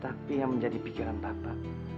tapi yang menjadi pikiran bapak